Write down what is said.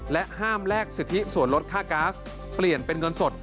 ห้ามแลกสิทธิส่วนลดค่าก๊าซเปลี่ยนเป็นเงินสด